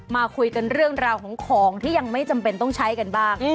มาคุยกันเรื่องราวของของที่ยังไม่จำเป็นต้องใช้กันบ้าง